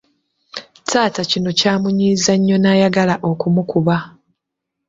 Taata kino kyamunyiiza nnyo n'ayagala okumukuba.